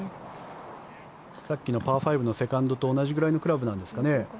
さっきのパー５のセカンドと同じぐらいのクラブなんですかね？